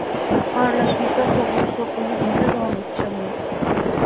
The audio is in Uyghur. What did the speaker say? ئارىلاشمىسا سوغۇق سۇ قۇيۇپ يەنە داۋاملىق چالىمىز.